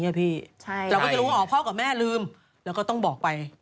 เราก็จะรู้ว่าอ๋อพ่อกับแม่ลืมแล้วก็ต้องบอกไป